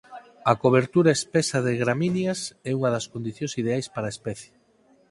A cobertura espesa de gramíneas é unha das condicións ideais para a especie.